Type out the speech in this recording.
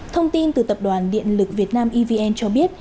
thông tin từ tập đoàn điện lực việt nam evn cho biết